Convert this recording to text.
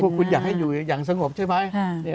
คุณอยากให้อยู่อย่างสงบใช่ไหม